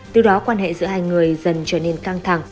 từ đó quan hệ giữa hai người dần trở nên căng thẳng